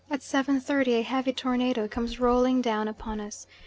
30 a heavy tornado comes rolling down upon us.